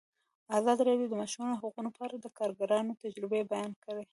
ازادي راډیو د د ماشومانو حقونه په اړه د کارګرانو تجربې بیان کړي.